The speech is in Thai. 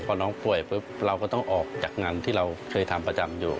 พอน้องป่วยปุ๊บเราก็ต้องออกจากงานที่เราเคยทำประจำอยู่